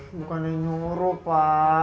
bukannya nyuruh pa